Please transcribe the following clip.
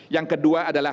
yang kedua adalah